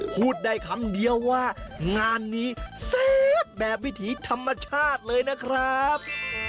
พูดได้คำเดียวว่างานนี้แซ่บแบบวิถีธรรมชาติเลยนะครับ